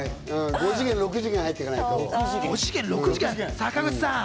５次元、６次元に入っていかないと。